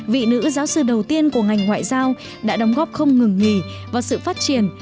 vị nữ giáo sư đầu tiên của ngành ngoại giao đã đóng góp không ngừng nghỉ vào sự phát triển